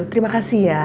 terima kasih ya